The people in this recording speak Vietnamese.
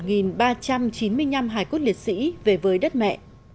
ba trăm chín mươi năm hải cốt liệt sĩ về với đất mẹ